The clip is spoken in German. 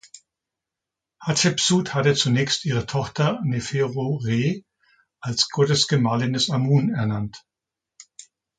Hatschepsut hatte zunächst ihre Tochter Neferu-Re als "Gottesgemahlin des Amun" ernannt.